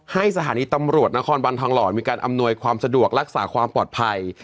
สถานีตำรวจนครบันทองหล่อมีการอำนวยความสะดวกรักษาความปลอดภัย